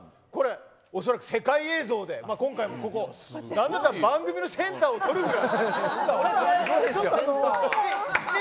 おそらく世界映像で今回もなんなら番組のセンターを取るくらい。